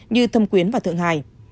như thâm quyến và thượng hải